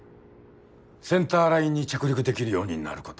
センターラインに着陸できるようになること。